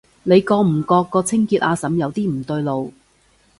你覺唔覺個清潔阿嬸有啲唔對路？